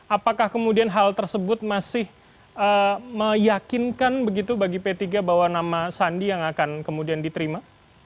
apakah kemudian hal tersebut masih meyakinkan begitu bagi p tiga bahwa nama sandi yang akan kemudian diterima